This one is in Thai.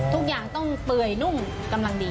ทุกอย่างต้องเปื่อยนุ่มกำลังดี